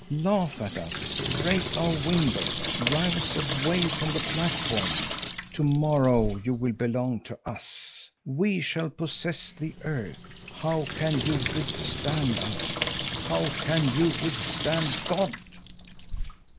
Laugh at us! Break our windows! Drive us away from the platform! To morrow you will belong to us. We shall possess the earth. How can you withstand us? How can you withstand God?"